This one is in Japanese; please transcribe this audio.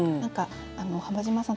浜島さん